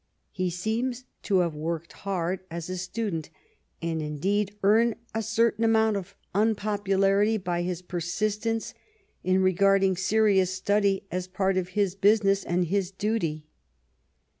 He seems to have worked hard 8 ETON AND OXFORD g as a student, and, indeed, earned a certain amount of unpopularity by his persistence in regarding serious study as part of his business and his duty.